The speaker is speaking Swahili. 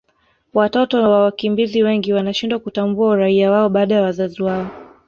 watoto wa wakimbizi wengi wanashindwa kutambua uraia wao baada ya wazazi wao